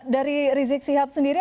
dari rizik sihab sendiri